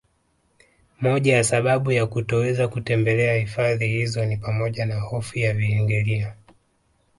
Moja ya sababu ya kutoweza kutembelea hifadhi hizo ni pamoja na hofu ya viingilio